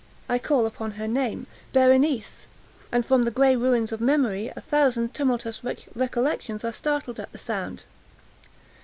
—I call upon her name—Berenice!—and from the gray ruins of memory a thousand tumultuous recollections are startled at the sound!